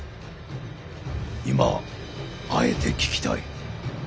今あえて聞きたい。